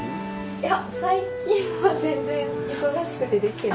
いや最近は全然忙しくてできてなくて。